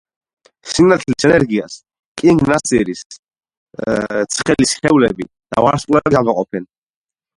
სინათლის ენერგიას ძალიან ცხელი სხეულები და ვარსკვლავები გამოყოფენ